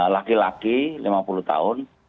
laki laki lima puluh tahun